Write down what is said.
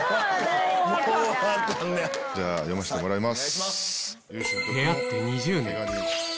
じゃあ読ませてもらいます。